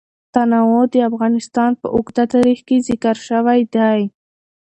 تنوع د افغانستان په اوږده تاریخ کې ذکر شوی دی.